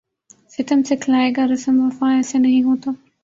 ستم سکھلائے گا رسم وفا ایسے نہیں ہوتا